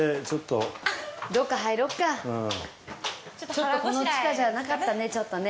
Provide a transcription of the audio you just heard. ちょっとこの地下じゃなかったねちょっとね。